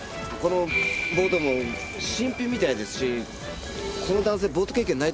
このボートも新品みたいですしこの男性ボート経験